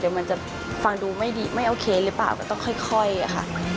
เดี๋ยวมันจะฟังดูไม่ดีไม่โอเคหรือเปล่าก็ต้องค่อยค่ะ